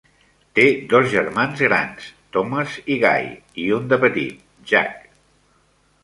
Té dos germans grans, Thomas i Guy, i un de petit, Jack.